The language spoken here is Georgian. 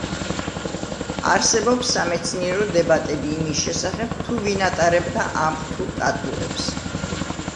არსებობს სამეცნიერო დებატები იმის შესახებ თუ ვინ ატარებდა ამ რთულ ტატუებს.